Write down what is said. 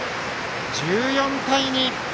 １４対２。